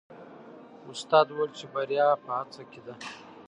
استاد وویل چې بریا په هڅه کې ده.